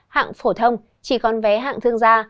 hạng phổ thông chỉ còn vé hạng thương gia